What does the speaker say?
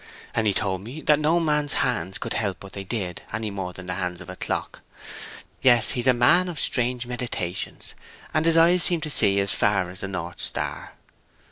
And he told me that no man's hands could help what they did, any more than the hands of a clock....Yes, he's a man of strange meditations, and his eyes seem to see as far as the north star."